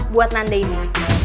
buat nanda ini